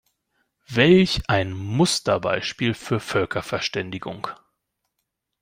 Welch ein Musterbeispiel für Völkerverständigung!